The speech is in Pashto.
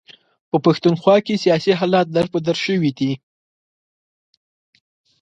په پښتونخوا کې سیاسي حالات در بدر شوي دي.